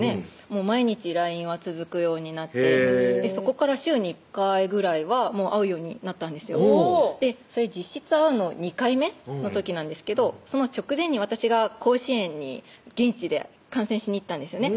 毎日ＬＩＮＥは続くようになってそこから週に１回ぐらいは会うようになったんですよで実質会うの２回目の時なんですけどその直前に私が甲子園に現地で観戦しに行ったんですよね